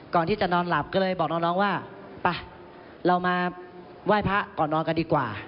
ก่อนที่จะนอนหลับก็เลยบอกน้องว่าไปเรามาไหว้พระก่อนนอนกันดีกว่า